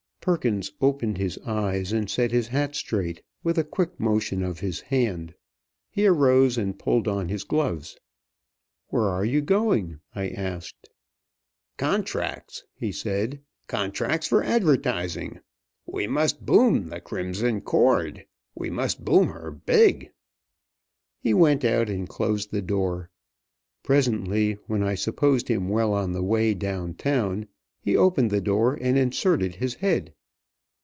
Perkins opened his eyes and set his hat straight with a quick motion of his hand. He arose and polled on his gloves. "Where are you going?" I asked. "Contracts!" he said. "Contracts for advertising! We most boom 'The Crimson Cord!' We must boom her big!" He went out and closed the door. Presently, when I supposed him well on the way down town, he opened the door and inserted his head.